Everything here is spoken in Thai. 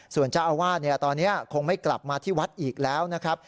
ส่วนเจ้าอาวาสตอนนี้คงไม่กลับมาที่วัดอีกแล้วนะครับ